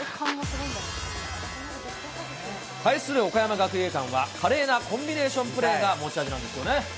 対する岡山学芸館は、華麗なコンビネーションプレーが持ち味なんですよね。